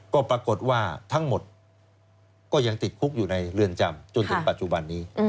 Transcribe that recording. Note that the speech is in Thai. ก็ปรากฏว่าทั้งหมดก็ยังติดคุกอยู่ในเรือนจำจนถึงปัจจุบันนี้